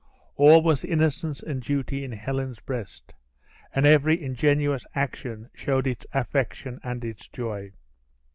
All was innocence and duty in Helen's breast; and every ingenuous action showed its affection and its joy.